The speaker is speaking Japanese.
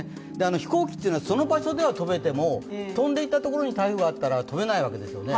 飛行機というのはその場所では飛べても飛んでいったところに台風があったら飛べないわけですよね